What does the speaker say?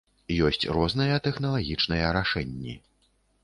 Ёсць розныя тэхналагічныя рашэнні.